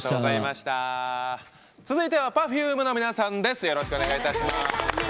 続いてはＰｅｒｆｕｍｅの皆さんです。